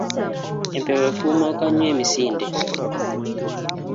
Empeewo efuumuka nnyo emisinde